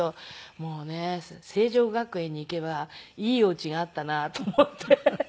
もうね成城学園に行けばいいお家があったなと思って。